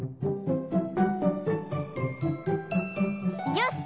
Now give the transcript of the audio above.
よし！